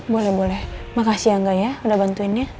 boleh boleh makasih ya enggak ya udah bantuinnya